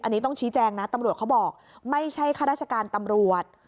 อันนี้ต้องชี้แจงนะตำรวจเขาบอกไม่ใช่ข้าราชการตำรวจ